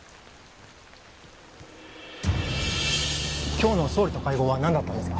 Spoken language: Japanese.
今日の総理と会合はなんだったんですか？